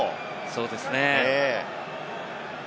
そうですね。